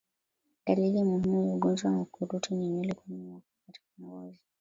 Dalili muhimu ya ugonjwa wa ukurutu ni nywele kunyonyoka katika ngozi